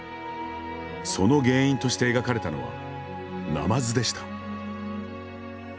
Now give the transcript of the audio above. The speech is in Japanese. その原因として描かれたのは「ナマズ」でした。